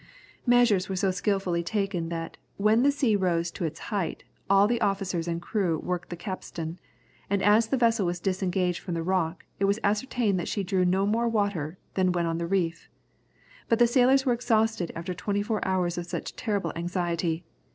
Measures were so skilfully taken, that when the sea rose to its height, all the officers and crew worked the capstan, and as the vessel was disengaged from the rock, it was ascertained that she drew no more water than when on the reef. But the sailors were exhausted after twenty four hours of such terrible anxiety.